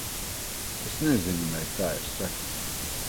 Es nezinu, vai tā ir sakritība.